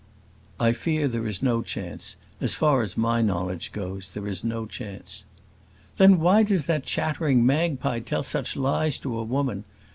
"I fear there is no chance as far as my knowledge goes there is no chance." "Then why does that chattering magpie tell such lies to a woman?